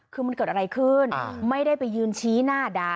คือมันเกิดอะไรขึ้นไม่ได้ไปยืนชี้หน้าด่า